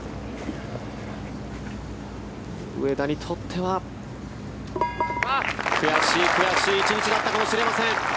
上田にとっては悔しい悔しい１日だったかもしれません。